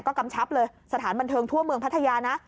ก็กำชับเลยสถานบันเทิงทั่วเมืองพัทยานะ